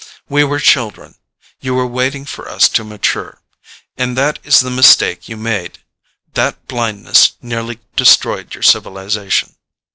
We were children. You were waiting for us to mature. And that is the mistake you made; that blindness nearly destroyed your civilization.